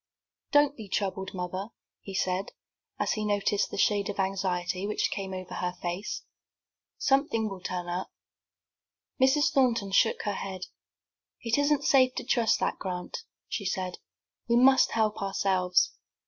"Don't be troubled, mother," he said, as he noticed the shade of anxiety which came over her face. "Something will turn up." Mrs. Thornton shook her head. "It isn't safe to trust to that, Grant," she said; "we must help ourselves."